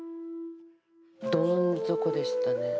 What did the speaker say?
どん底でしたね。